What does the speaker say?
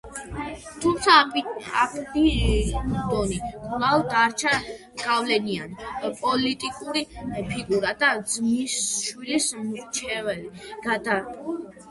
თუმცა აპტიდონი კვლავ დარჩა გავლენიანი პოლიტიკური ფიგურა და ძმისშვილის მრჩეველი გარდაცვალებამდე.